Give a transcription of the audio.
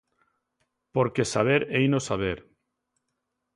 Porque saber heino saber.